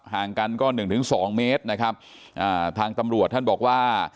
ห่างกันก็๑๒เมตรนะครับทางตำรวจท่านบอกว่า